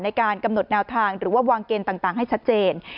ในการกำหนดแนวทางหรือว่าวางเกณฑ์ต่างให้ชัดเจน